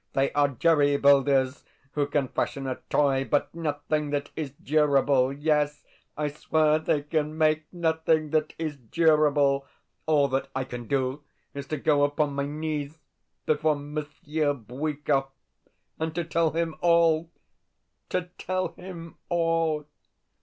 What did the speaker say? They are jerry builders who can fashion a toy, but nothing that is durable. Yes, I swear they can make nothing that is durable.... All that I can do is to go upon my knees before Monsieur Bwikov, and to tell him all, to tell him all.